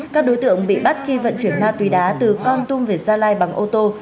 các đối tượng bị bắt khi vận chuyển ma túy đá từ con tum về gia lai bằng ô tô